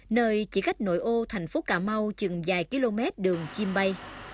nơi chỉ cách nội ô thành phố cà mau chừng vài km đường chim bay